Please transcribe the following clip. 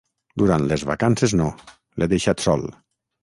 Durant les vacances no, l'he deixat sol.